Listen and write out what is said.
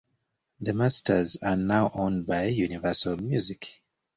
The masters are now owned by Universal Music.